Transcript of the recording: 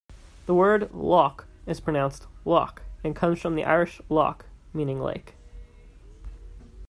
The word "lough" is pronounced "loch" and comes from the Irish "loch", meaning "lake".